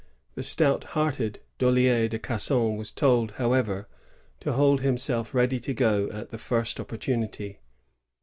The stout hearted DoUier de Casson was told, how ever, to hold himself ready to go at the first oppor tunity.